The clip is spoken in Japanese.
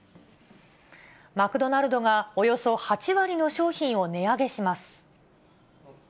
マクドナルドがおよそ８割の商品を値上げします。